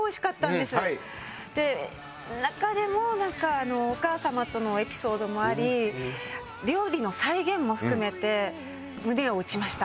で中でもお母様とのエピソードもあり料理の再現も含めて胸を打ちました。